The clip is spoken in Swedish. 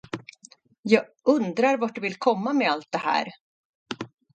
Jag undrar vart du vill komma med allt det här.